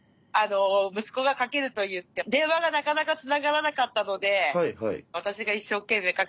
息子がかけると言って電話がなかなかつながらなかったので私が一生懸命かけてました。